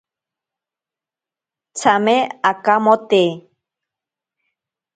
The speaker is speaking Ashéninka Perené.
Tsame akamote.